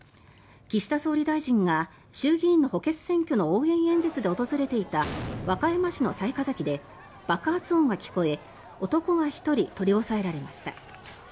岸田総理大臣が衆議院の補欠選挙の応援演説で訪れていた和歌山市の雑賀崎で爆発音が聞こえ男が１人取り押さえられました。